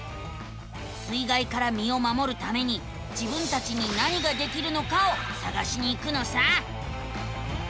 水がいからみをまもるために自分たちに何ができるのかをさがしに行くのさ。